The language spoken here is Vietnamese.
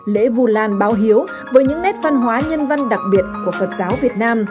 lễ vu lan báo hiếu với những nét văn hóa nhân văn đặc biệt của phật giáo việt nam